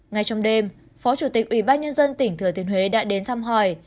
ngay trong đêm phó chủ tịch ủy ban nhân dân tỉnh thừa thiên huế đã đến thăm hỏi